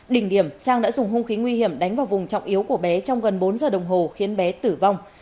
đỉnh điểm trang đã dùng hung khí nguy hiểm đánh vào vùng trọng yếu của bé trong gần bốn giờ đồng hồ khiến bé tử vong